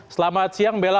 selamat siang bella